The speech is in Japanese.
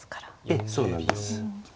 ええそうなんです。